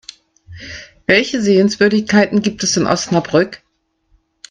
Welche Sehenswürdigkeiten gibt es in Osnabrück?